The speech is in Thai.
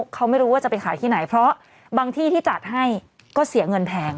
เขาไม่รู้ว่าจะไปขายที่ไหนเพราะบางที่ที่จัดให้ก็เสียเงินแพง